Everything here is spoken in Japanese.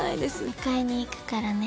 迎えにいくからね